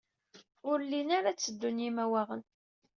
Ur llin ara tteddun yimawaɣen.